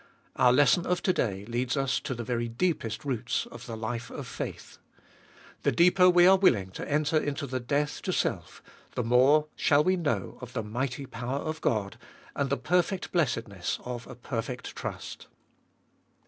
Our lesson of to day leads us to the very deepest roots of the life of faith. The deeper we are willing to enter into the death to self, the more shall we know of the mighty power of God, and the perfect blessedness of a perfect trust.